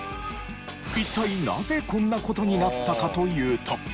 一体なぜこんな事になったかというと。